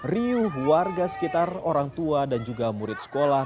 riuh warga sekitar orang tua dan juga murid sekolah